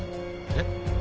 えっ？